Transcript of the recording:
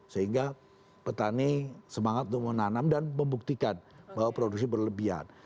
sehingga petani semangat untuk menanam dan membuktikan bahwa produksi berlebihan